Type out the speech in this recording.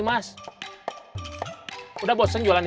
bumbu dapur kumplit